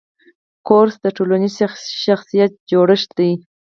کورس د ټولنیز شخصیت جوړښت دی.